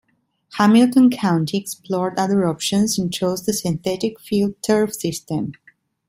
Hamilton County explored other options and chose the synthetic FieldTurf system.